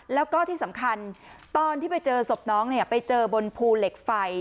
แล้วก็ที่สำคัญตอนที่ไปเจอศพน้องไปเจอบนภูเหล็กไฟ